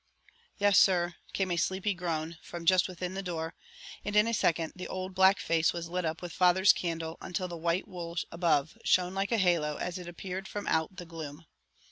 "Yes, sir," came a sleepy groan from just within the door, and in a second the old black face was lit up with father's candle until the white wool above shone like a halo as it appeared from out the gloom.